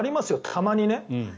たまにね。